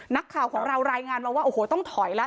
นักข่าวของเรารายงานมาว่าโอ้โหต้องถอยแล้ว